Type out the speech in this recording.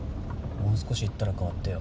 もう少し行ったら代わってよ。